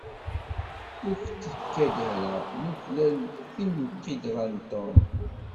Ur k-d-ikad ara nuklal timqidra n Tom?